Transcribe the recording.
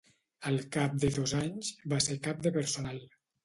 Al cap de dos anys, va ser cap de personal.